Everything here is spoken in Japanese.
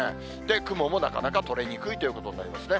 雲もなかなか取れにくいということになりますね。